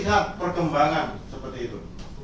melihat perkembangan seperti itu